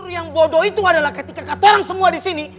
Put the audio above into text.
yang bodoh itu adalah ketika kata orang semua disini